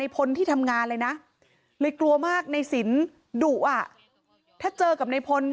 พลที่ทำงานเลยนะเลยกลัวมากในสินดุอ่ะถ้าเจอกับในพล